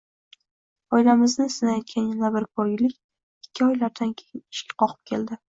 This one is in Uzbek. Oilamizni sinaydigan yana bir koʻrgilik ikki oylardan keyin eshik qoqib keldi.